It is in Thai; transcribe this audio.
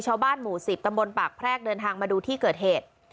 ชาวบ้านหมู่๑๐ตำบลปากแพรกเดินทางมาดูที่เกิดเหตุ